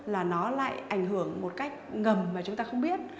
là nó lại ảnh hưởng một cách ngầm mà chúng ta không biết